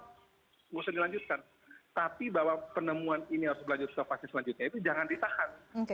harus dilanjutkan tapi bahwa penemuan ini harus berlanjut lanjut jangan ditahan